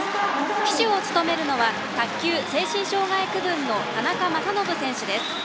旗手を務めるのは卓球・精神障害区分の田中正信選手です。